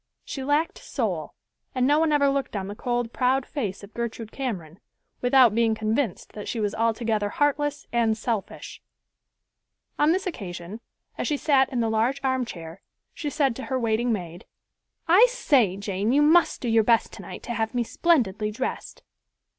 She lacked soul, and no one ever looked on the cold, proud face of Gertrude Cameron, without being convinced that she was altogether heartless and selfish. On this occasion, as she sat in the large armchair, she said to her waiting maid, "I say, Jane, you must do your best tonight to have me splendidly dressed."